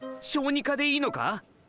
小児科でいいのか？